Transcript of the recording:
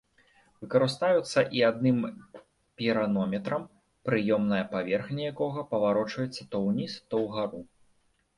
Карыстаюцца і адным піранометрам, прыёмная паверхня якога паварочваецца то ўніз, то ўгару.